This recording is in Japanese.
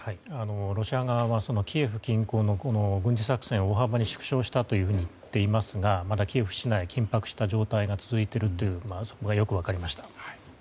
ロシア側はキエフ近郊の軍事作戦を大幅に縮小したというふうに言っていますがまだキエフ市内、緊迫した状態が続いているのがよく分かりました。